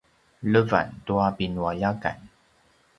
levan tua pinualjakan